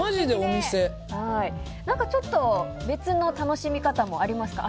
ちょっと別の楽しみ方もありますか？